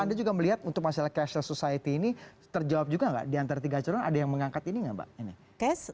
anda juga melihat untuk masalah cashless society ini terjawab juga nggak di antara tiga calon ada yang mengangkat ini nggak mbak